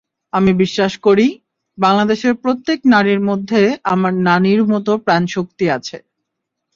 আমি বিশ্বাস করি, বাংলাদেশের প্রত্যেক নারীর মধ্যে আমার নানির মতো প্রাণশক্তি আছে।